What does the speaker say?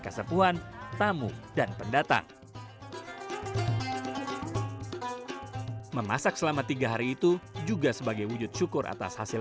kasepuan tamu dan pendatang memasak selama tiga hari itu juga sebagai wujud syukur atas hasil